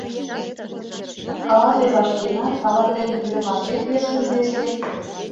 Ала тый вашкенат, ала тыйын пӱрымашет йӧршын весе?